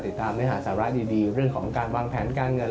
เนื้อหาสาระดีเรื่องของการวางแผนการเงิน